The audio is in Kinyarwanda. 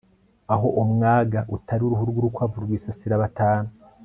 aho umwaga utari uruhu rw'urukwavu rwisasira batanu